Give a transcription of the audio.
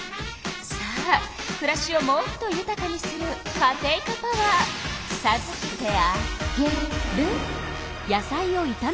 さあくらしをもっとゆたかにするカテイカパワーさずけてあげる。